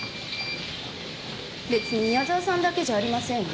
別に宮澤さんだけじゃありませんよ。